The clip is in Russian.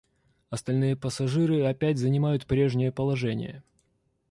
Остальные пассажиры опять занимают прежнее положение.